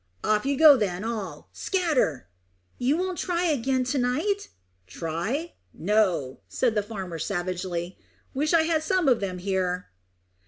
"Off you go then all. Scatter!" "You won't try again to night?" "Try? No," said the farmer savagely. "Wish I had some of them here!"